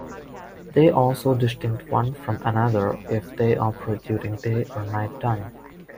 They also distinct one from another if they operate during day or night time.